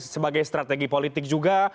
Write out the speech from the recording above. sebagai strategi politik juga